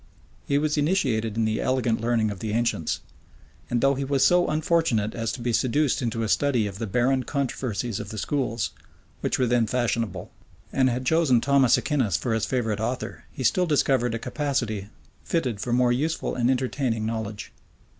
[*] He was initiated in the elegant learning of the ancients. And though he was so unfortunate as to be seduced into a study of the barren controversies of the schools, which were then fashionable, and had chosen Thomas Aquinas for his favorite author, he still discovered a capacity fitted for more useful and entertaining knowledge.